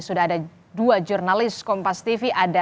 sudah ada dua jurnalis kompas tv